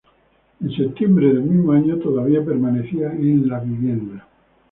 En septiembre del mismo año todavía permanecía a la vivienda.